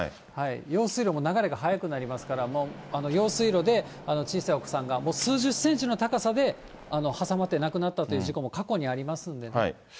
用水路も流れが速くなりますから、用水路で小さいお子さんが、数十センチの高さで挟まって、亡くなったという事故も過去にありますんでね。